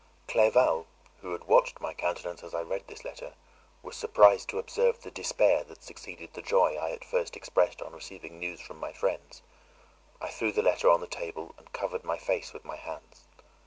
Clerval, who had watched my countenance as I read this letter, was surprised to observe the despair that succeeded the joy I at first expressed on receiving new from my friends. I threw the letter on the table, and covered my face with my hands.